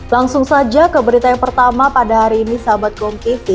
langsung saja ke berita yang pertama pada hari ini sahabat gong kivi